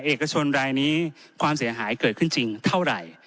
เอกชนรายนี้ความเสียหายเกิดขึ้นจริงเท่าไหร่